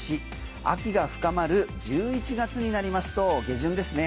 秋が深まる１１月になりますと下旬ですね。